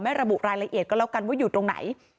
ระบุรายละเอียดก็แล้วกันว่าอยู่ตรงไหน